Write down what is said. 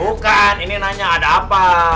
bukan ini nanya ada apa